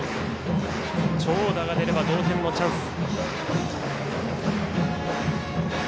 長打が出れば同点のチャンス。